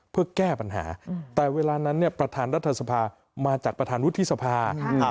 เพื่อแก้ปัญหาแต่เวลานั้นเนี่ยประธานรัฐสภามาจากประธานวุฒิสภา